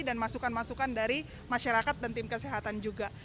dan masukan masukan dari masyarakat dan tim kesehatan juga